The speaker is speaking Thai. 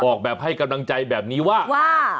บอกแบบให้กำลังใจแบบนี้ว่า